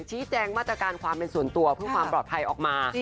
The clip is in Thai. ชี้แจงมาตรการความเป็นส่วนตัวเพื่อความปลอดภัยออกมา